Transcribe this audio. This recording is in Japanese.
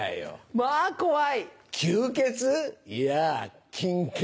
まぁ怖い。